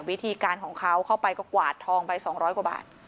วิธีการของเขาเข้าไปก็กวาดทองไป๒๐๐กว่าบาท